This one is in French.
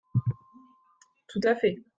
Tout à fait.